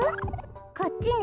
こっちね？